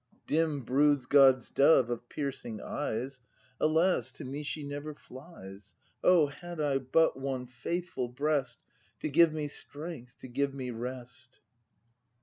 Dim broods God's dove of piercing eyes; Alas, to me she never flies. — O, had I but one faithful breast To give me strength, to give me rest.